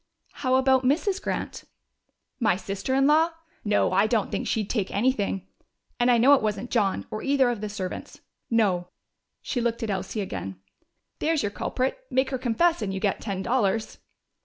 "How about Mrs. Grant?" "My sister in law? No, I don't think she'd take anything. And I know it wasn't John or either of the servants.... No." She looked at Elsie again. "There's your culprit. Make her confess and you get ten dollars!"